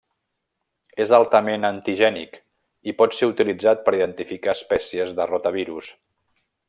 És altament antigènic i pot ser utilitzat per identificar espècies de rotavirus.